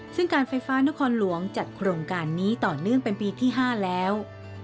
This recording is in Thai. ซึ่งการไฟฟ้านครหลวงจัดโครงการนี้ต่อเนื่องเป็นปีที่๕แล้ว